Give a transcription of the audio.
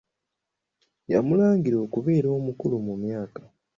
Yamulangira okubeera omukulu mu myaka.